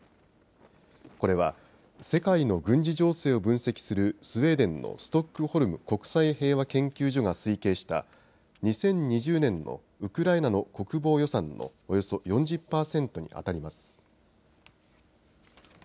これは世界の軍事情勢を分析するスウェーデンのストックホルム国際平和研究所が推計した２０２０年のウクライナの国防予算のおよそ４０％に当たります。